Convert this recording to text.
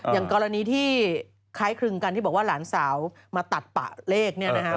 อย่างกรณีที่คล้ายคลึงกันที่บอกว่าหลานสาวมาตัดปะเลขเนี่ยนะครับ